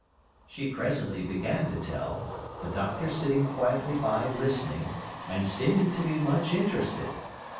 She presently began to tell, the doctor sitting quietly by listening and seeming to be much interested.